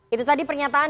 itu tadi pernyataan